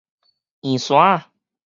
圓山仔